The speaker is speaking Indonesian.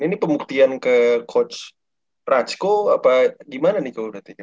ini pembuktian ke coach ratsko apa gimana nih kalau berarti ya